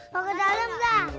mau ke dalam gak